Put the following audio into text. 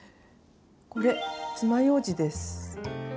これつまようじです。